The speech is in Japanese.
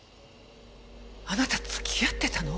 あなた付き合ってたの？